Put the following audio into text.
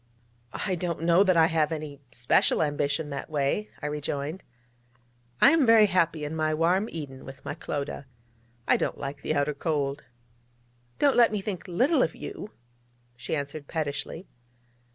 'I don't know that I have any special ambition that way,' I rejoined. 'I am very happy in my warm Eden with my Clodagh. I don't like the outer Cold.' 'Don't let me think little of you!' she answered pettishly.